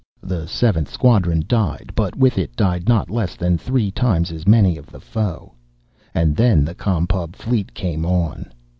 The Seventh Squadron died, but with it died not less than three times as many of the foe. And then the Com Pub fleet came on.